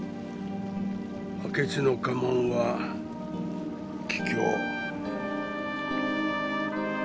明智の家紋は桔梗。